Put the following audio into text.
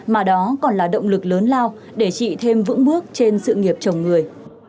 mà đó còn là động lực lớn lao để chị thêm vững bước trên sự nghiệp chồng người